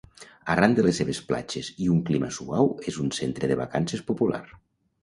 Arran de les seves platges i un clima suau és un centre de vacances popular.